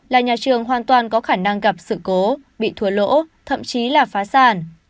là nhà trường hoàn toàn có khả năng gặp sự cố bị thua lỗ thậm chí là phá sản